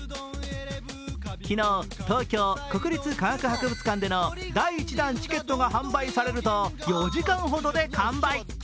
昨日、東京・国立博物館での第１弾チケットが販売されると４時間ほどで完売。